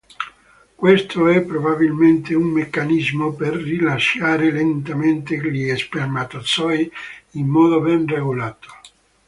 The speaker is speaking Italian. Questo è probabilmente un meccanismo per rilasciare lentamente gli spermatozoi in modo ben regolato.